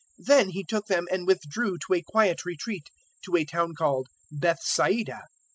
Then He took them and withdrew to a quiet retreat, to a town called Bethsaida.